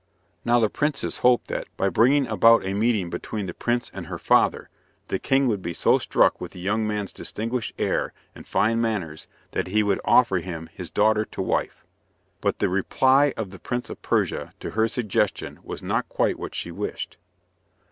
Now the princess hoped that, by bringing about a meeting between the prince and her father, the King would be so struck with the young man's distinguished air and fine manners, that he would offer him his daughter to wife. But the reply of the Prince of Persia to her suggestion was not quite what she wished.